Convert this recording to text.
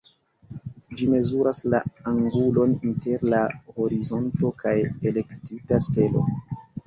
Ĝi mezuras la angulon inter la horizonto kaj elektita stelo.